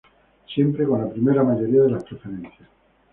Siempre con la primera mayoría de las preferencias.